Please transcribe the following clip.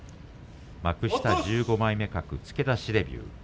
幕下１５枚目格付け出しデビュー。